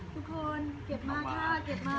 ทุกคนเก็บมาค่ะ